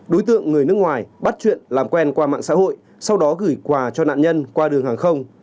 đối tượng người nước ngoài bắt chuyện làm quen qua mạng xã hội sau đó gửi quà cho nạn nhân qua đường hàng không